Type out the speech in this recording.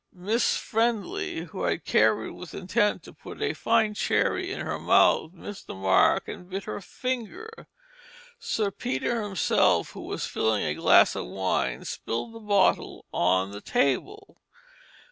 Miss Friendly who had carried with intent to put a fine cherry in her mouth missed the mark and bit her finger. Sir Peter himself, who was filling a glass of wine, spilled the bottle on the table.